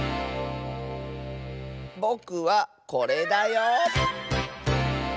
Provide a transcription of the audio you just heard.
ぼくはこれだよ！